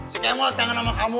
si kemur tangan sama kamu